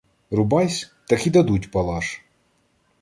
Рубайсь — так і дадуть палаш.